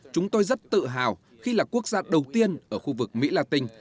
chúng tôi rất tự hào khi là quốc gia đầu tiên ở khu vực mỹ là tình